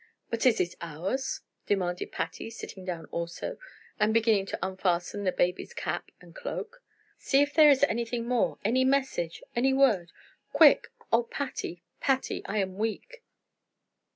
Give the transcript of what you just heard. "But is it ours?" demanded Patty, sitting down also, and beginning to unfasten the baby's cap and cloak. "See if there is anything more any message any word quick oh, Patty, Patty. I am weak!"